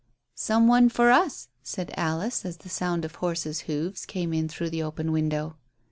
"Some one for us," said Alice, as the sound of horse's hoofs came in through the open window.